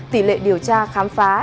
tỷ lệ điều tra khám phá